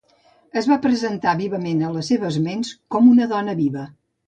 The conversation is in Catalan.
Es va presentar vívidament a les seves ments com una dona viva.